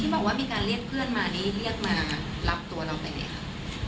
ที่บอกว่ามีการเรียกเพื่อนมานี่เรียกมารับตัวนอกกันไหนครับ